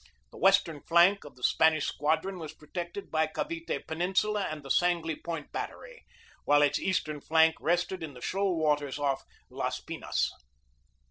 The western flank of the Span ish squadron was protected by Cavite Peninsula and the Sangley Point battery, while its eastern flank rested in the shoal water off Las Pinas.